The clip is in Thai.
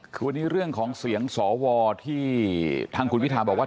คือวันนี้เรื่องของเสียงสวที่ทางคุณวิทาบอกว่า